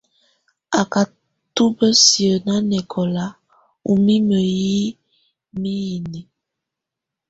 Á ka tubǝ́siǝ́ nanɛkɔla ù mimǝ́ yi miyinǝ́.